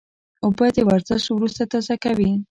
اوبه د ورزش وروسته تازه کوي